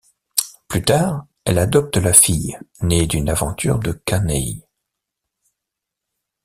Plus tard, elle adopte la fille née d'une aventure de Kaneie.